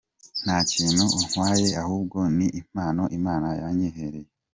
Nta kintu untwaye ahubwo ni impano imana yanyihereye.